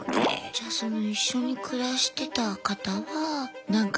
じゃあその一緒に暮らしてた方はなんか。